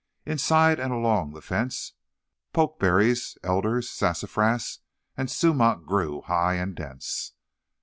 Inside and along the fence, pokeberries, elders, sassafras, and sumac grew high and dense.